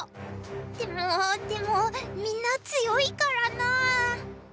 でもでもみんな強いからな。